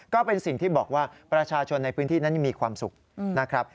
ก็เป็นสิ่งที่บอกว่าประชาชนในพื้นที่นั้นยังมีความสุขนะครับ